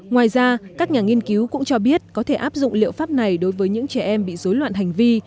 ngoài ra các nhà nghiên cứu cũng cho biết có thể áp dụng liệu pháp này đối với những trẻ em bị dối loạn hành vi